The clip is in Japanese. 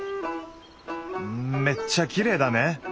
めっちゃきれいだね！